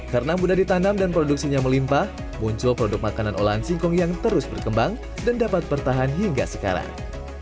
karena mudah ditanam dan produksinya melimpah muncul produk makanan olahan singkong yang terus berkembang dan dapat bertahan hingga sekarang